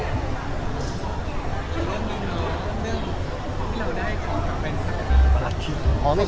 เรื่องหนึ่งเนี่ย